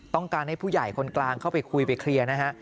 ต้องการให้ผู้ใหญ่คนกลางเข้าไปคุยไปเคลียร์นะฮะ